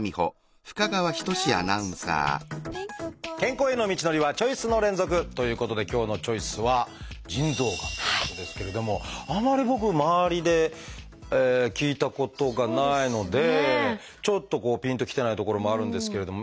健康への道のりはチョイスの連続！ということで今日の「チョイス」はあまり僕周りで聞いたことがないのでちょっとこうぴんときてないところもあるんですけれども。